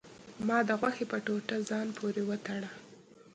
ما د غوښې په ټوټه ځان پورې وتړه.